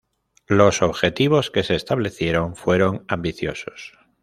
Los objetivos que se establecieron fueron ambiciosos.